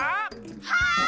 はい！